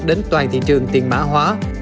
đến toàn thị trường tiền mã hóa